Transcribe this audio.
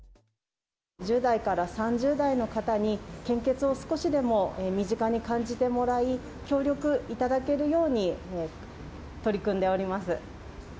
１０代から３０代の方に、献血を少しでも身近に感じてもらい、協力いただけるように取り組んでおります。